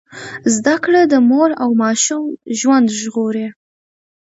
زده کړه د مور او ماشوم ژوند ژغوري۔